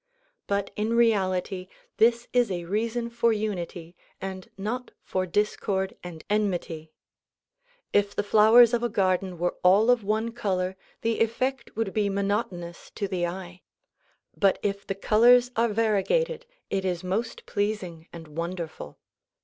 But in reality this is a reason for unity and not for discord and enmity. If the flowers of a garden were all of one color the effect would be monotonous to the eye ; but if the colors are variegated it is most pleasing and wonderful.